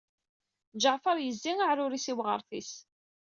Ǧaɛfeṛ yezzi aɛrur i uɣṛef-is.